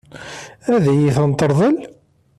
Ad iyi-ten-teṛḍel?